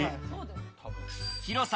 広さ